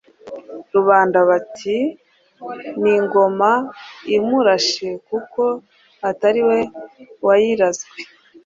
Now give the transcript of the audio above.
Rubanda bati «Ni ingoma imurashe kuko atari we wayirazwe».